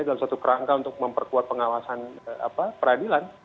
dalam suatu kerangka untuk memperkuat pengawasan peradilan